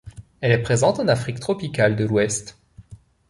Elle est présente en Afrique tropicale de l’ouest.